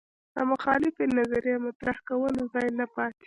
د مخالفې نظریې مطرح کولو ځای نه پاتې